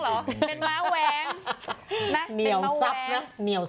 แล้วหลอบพี่